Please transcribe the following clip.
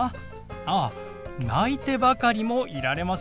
ああ泣いてばかりもいられません。